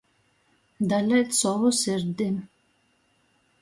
Daleit sovu sirdi.